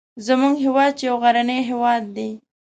زموږ هیواد چې یو غرنی هیواد دی